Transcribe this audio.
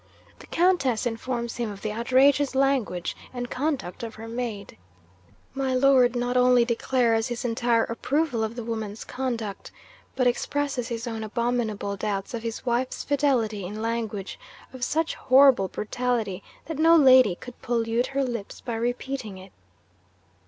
The Countess informs him of the outrageous language and conduct of her maid. My Lord not only declares his entire approval of the woman's conduct, but expresses his own abominable doubts of his wife's fidelity in language of such horrible brutality that no lady could pollute her lips by repeating it.